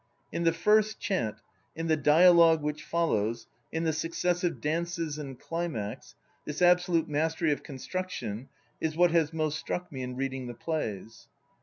In the "first chant," in the dialogue which follows, in the successive dances and climax, this absolute mastery of con st ruction is what has most struck me in reading the plays.